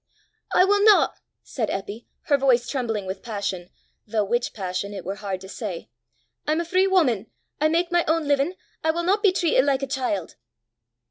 "I will not," said Eppy, her voice trembling with passion, though which passion it were hard to say; "I am a free woman. I make my own living. I will not be treated like a child!"